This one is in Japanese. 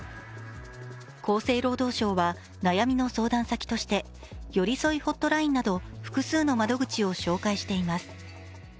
厚生労働省は、悩みの相談先としてよりそいホットラインなど複数の窓口を紹介しています。